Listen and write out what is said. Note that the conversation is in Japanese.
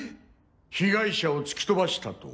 被害者を突き飛ばしたと？